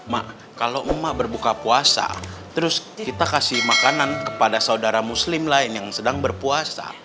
mak kalau emak berbuka puasa terus kita kasih makanan kepada saudara muslim lain yang sedang berpuasa